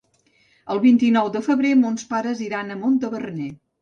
El vint-i-nou de febrer mons pares iran a Montaverner.